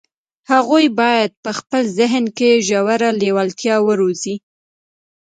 هغوی بايد په خپل ذهن کې ژوره لېوالتیا وروزي.